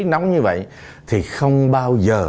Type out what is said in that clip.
nóng như vậy thì không bao giờ